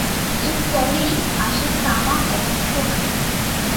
এর পরেই আসে তামা এবং সোনা।